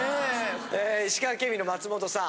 石川県民の松本さん。